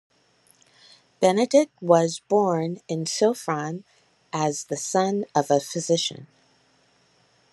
Benedek was born in Sopron as the son of a physician.